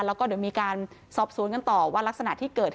แล้วก็เดี๋ยวมีการสอบสวนกันต่อว่ารักษณะที่เกิด